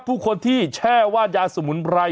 ผู้คนที่แช่ว่านยาสมุนไพร